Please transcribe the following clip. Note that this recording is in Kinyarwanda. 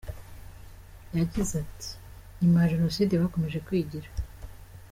Yagize ati“Nyuma ya Jenoside bakomeje kwigira.